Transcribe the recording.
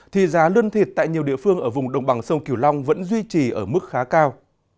thì giá lươn thịt tại nhiều địa phương ở vùng đồng bằng sông kiều long vẫn duy trì ở mức khá cao